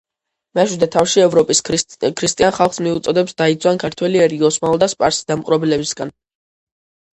მეშვიდე თავში ევროპის ქრისტიან ხალხს მოუწოდებს დაიცვან ქართველი ერი ოსმალო და სპარსი დამპყრობლებისაგან.